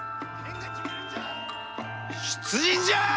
出陣じゃあ！